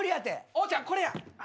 おーちゃんこれや。